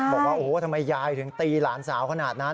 บอกว่าโอ้โหทำไมยายถึงตีหลานสาวขนาดนั้น